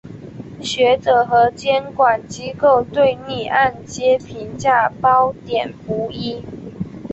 学者和监管机构对逆按揭评价褒贬不一。